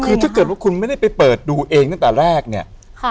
คือถ้าเกิดว่าคุณไม่ได้ไปเปิดดูเองตั้งแต่แรกเนี่ย